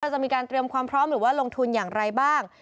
จะมีการเตรียมความพร้อมหรือว่าลงทุนอย่างไรบ้าง